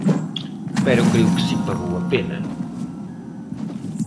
Pero creo que si pagou a pena.